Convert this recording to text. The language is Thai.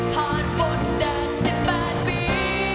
ผ่านฝนแดดสิบแปดปี